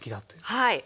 はい。